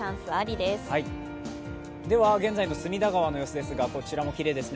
では現在の隅田川の様子ですがこちらもきれいですね。